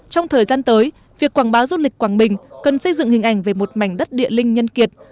trong thời gian tới việc quảng bá du lịch quảng bình cần xây dựng hình ảnh về một mảnh đất địa linh nhân kiệt